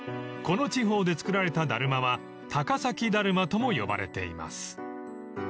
［この地方で作られただるまは高崎だるまとも呼ばれています］